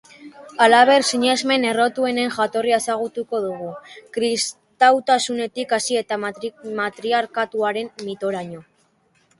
Halaber, sinesmen errotuenen jatorria ezagutuko dugu, kristautasunetik hasi eta matriarkatuaren mitoraino.